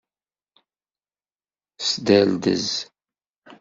Sderdez.